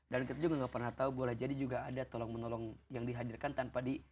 dan kita juga gak pernah tahu boleh jadi juga ada tolong menolong yang dihadirkan tanpa di